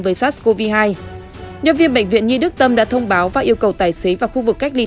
với sars cov hai nhân viên bệnh viện nhi đức tâm đã thông báo và yêu cầu tài xế vào khu vực cách ly